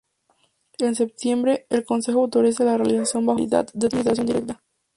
En septiembre, el Consejo autoriza la realización bajo la modalidad de administración directa.